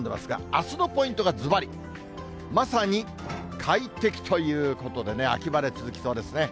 あすのポイントがずばり、まさに快適ということでね、秋晴れ続きそうですね。